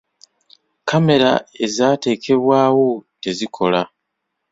Kamera ezaatekebwawo tezikola.